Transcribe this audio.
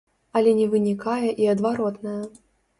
Але не вынікае і адваротнае.